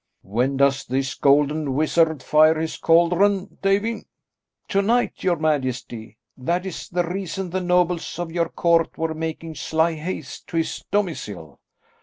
When does this golden wizard fire his cauldron, Davie?" "To night, your majesty. That is the reason the nobles of your court were making sly haste to his domicile."